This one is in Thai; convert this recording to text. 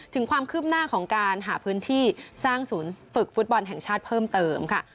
ถึงความคืบหน้าของการหาพื้นที่สร้างศูนย์ฝึกฟุตบอลแห่งชาติเพิ่มเติมค่ะ